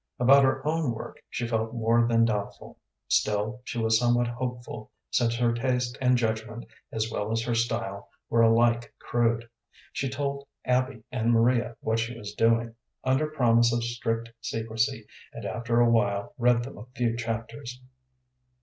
About her own work she felt more than doubtful; still, she was somewhat hopeful, since her taste and judgment, as well as her style, were alike crude. She told Abby and Maria what she was doing, under promise of strict secrecy, and after a while read them a few chapters.